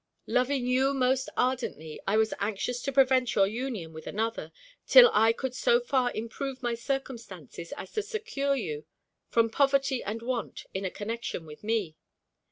Loving you most ardently, I was anxious to prevent your union with another, till I could so far improve my circumstances as to secure you from poverty and want in a connection with me.